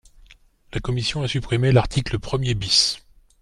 La commission a supprimé l’article premier bis.